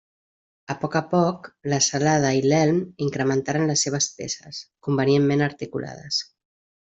A poc a poc, la celada i l'elm incrementaren les seves peces, convenientment articulades.